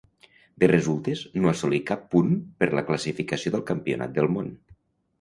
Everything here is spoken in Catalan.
De resultes, no assolí cap punt per la classificació del campionat del món.